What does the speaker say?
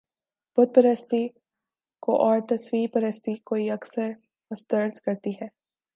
بت پرستی کو اور تصویر پرستی کو یک سر مسترد کرتی ہے